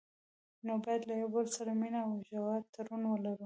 نو باید له یو بل سره مینه او ژور تړون ولري.